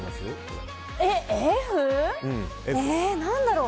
何だろう。